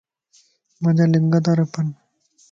مانجا لنڳ تارڦن